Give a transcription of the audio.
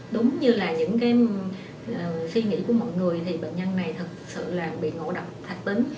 đúng như là những suy nghĩ của mọi người thì bệnh nhân này thật sự là bị ngộ đập thạch tín